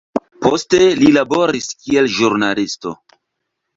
Poste li laboris kiel ĵurnalisto.